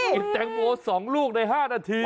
แตงโม๒ลูกใน๕นาที